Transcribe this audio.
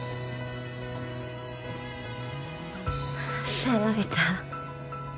背伸びた？